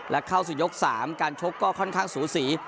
และเข้าสู่ยก๓การชกก็ค่อนข้างสูสี